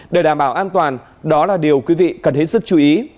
để đảm bảo an toàn đó là điều quý vị cần hết sức chú ý